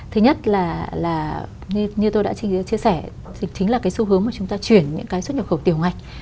thứ nhất là như tôi đã chia sẻ thì chính là cái xu hướng mà chúng ta chuyển những cái xuất nhập khẩu tiểu ngạch